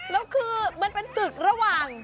แล้วคือมันเป็นศึกระหว่าง